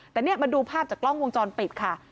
แต่นี่มาดูภาพจากกล้องวงจรปิดค่ะ